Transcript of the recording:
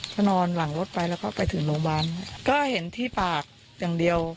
ก็นอนหลังรถไปแล้วก็ไปถึงโรงพยาบาลก็เห็นที่ปากอย่างเดียว